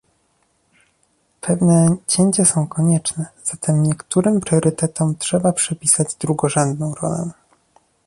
Pewne cięcia są konieczne, zatem niektórym priorytetom trzeba przypisać drugorzędną rolę